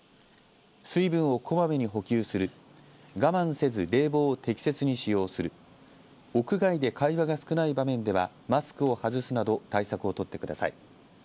水分をこまめに補給する我慢せず冷房を適切に使用する屋外で会話が少ない場面ではマスクを外すなど対策を取ってください。